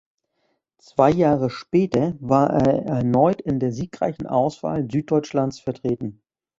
Zwei Jahre später war er erneut in der siegreichen Auswahl Süddeutschlands vertreten.